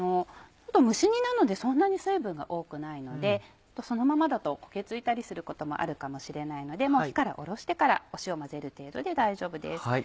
蒸し煮なのでそんなに水分が多くないのでそのままだと焦げ付いたりすることもあるかもしれないので火からおろしてから塩混ぜる程度で大丈夫です。